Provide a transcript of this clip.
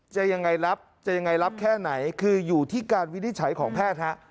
จะยังไงรับจะยังไงรับแค่ไหนคืออยู่ที่การวินิจฉัยของแพทย์ฮะ